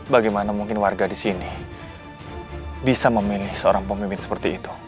bagaimana mungkin warga di sini bisa memilih seorang pemimpin seperti itu